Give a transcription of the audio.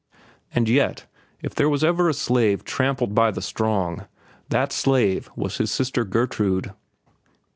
And yet, if there was ever a slave trampled by the strong, that slave was his sister Gertrude.